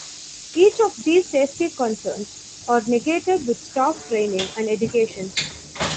Each of these safety concerns are negated with staff training and education.